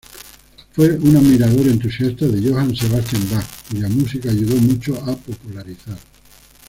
Fue un admirador entusiasta de Johann Sebastian Bach, cuya música ayudó mucho a popularizar.